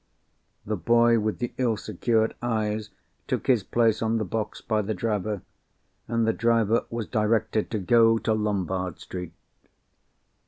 The boy with the ill secured eyes took his place on the box by the driver, and the driver was directed to go to Lombard Street.